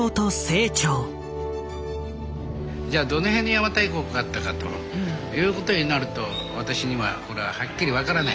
じゃあどの辺に邪馬台国があったかということになると私にはこれははっきり分からない。